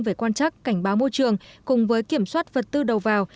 về quan trắc cảnh báo môi trường cùng với kiểm soát vật tư đầu vào